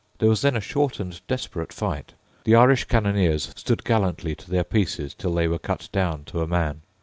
There was then a short and desperate fight. The Irish cannoneers stood gallantly to their pieces till they were cut down to a man.